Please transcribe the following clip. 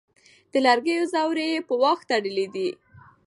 د لرګيو ځوړی يې په واښ تړلی دی